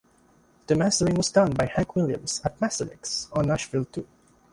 The mastering was done by Hank Williams at MasterMix, on Nashville too.